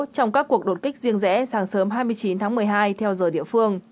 trong các cuộc đột kích riêng rẽ sáng sớm hai mươi chín tháng một mươi hai theo giờ địa phương